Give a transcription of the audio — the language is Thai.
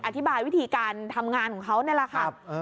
อธิบายวิธีการทำงานของเขานี่แหละค่ะ